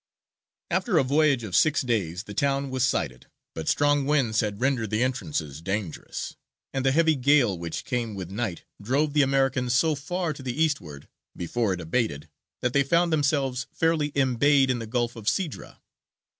After a voyage of six days the town was sighted, but strong winds had rendered the entrances dangerous, and the heavy gale which came with night drove the Americans so far to the eastward before it abated that they found themselves fairly embayed in the Gulf of Sidra.